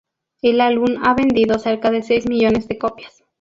El álbum ha vendido cerca de seis millones de copias.